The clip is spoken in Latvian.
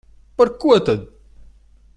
Par ko tad?